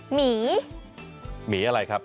หมีหมีอะไรครับ